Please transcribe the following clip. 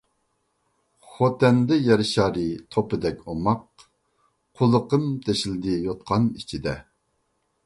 خوتەندە يەر شارى توپىدەك ئوماق، قۇلىقىم تېشىلدى يوتقان ئىچىدە.